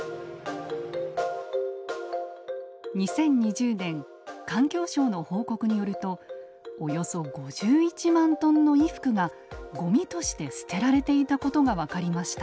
２０２０年環境省の報告によるとおよそ５１万トンの衣服がごみとして捨てられていたことが分かりました。